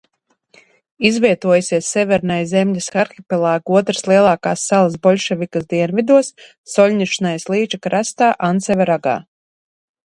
Izvietojusies Severnaja Zemļas arhipelāga otras lielākās salas Boļševikas dienvidos, Solņečnajas līča krastā Anceva ragā.